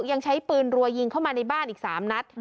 ยังใช้ปืนรัวยิงเข้ามาในบ้านอีก๓นัด